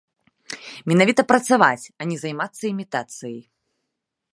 Менавіта працаваць, а не займацца імітацыяй.